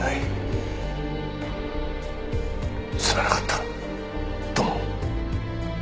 すまなかった土門。